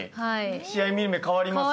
試合見る目変わりますよね。